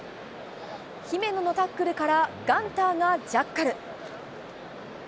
姫野のタックルからガンターがジャッカル。